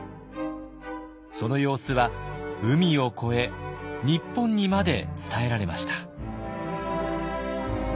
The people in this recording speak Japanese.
その様子は海を越え日本にまで伝えられました。